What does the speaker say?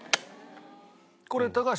これ高橋